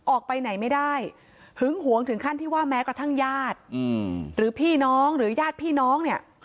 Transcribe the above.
ออกไปไหนไม่ได้หึงหวงถึงขั้นที่ว่าแม้กระทั่งญาติหรือพี่น้องหรือญาติพี่น้องเนี่ย